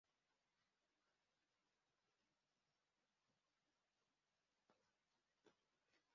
Dr Richard Musabe umwarimu akaba n’umushakashatsi mu byerekeranye n’ikoranabuhanga muri Kaminuza y’u Rwanda